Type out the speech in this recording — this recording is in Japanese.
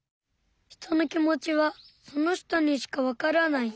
人の気持ちはその人にしか分からない。